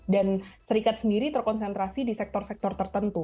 dan serikat sendiri terkonsentrasi di sektor sektor tertentu